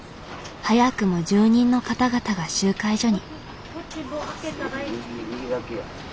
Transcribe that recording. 早くも住人の方々が集会所に。